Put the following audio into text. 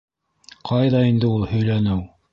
— Ҡайҙа инде ул һөйләнеү.